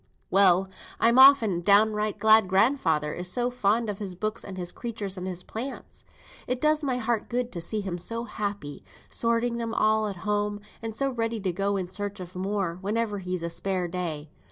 Well, I'm often downright glad grandfather is so fond of his books, and his creatures, and his plants. It does my heart good to see him so happy, sorting them all at home, and so ready to go in search of more, whenever he's a spare day.